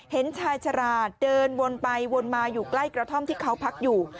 เห็นชายฉลาดเดินวนไปวนมาอยู่ใกล้กระท่อมที่เขาพักอยู่